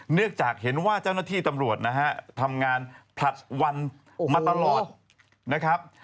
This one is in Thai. เนื่องจากเห็นว่าเจ้าหน้าที่ตำรวจนะฮะทำงานผลัดวันมาตลอดนะครับ